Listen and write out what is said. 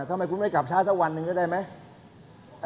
ทำไมคุณไม่กลับช้าสักวันหนึ่งก็ได้ไหม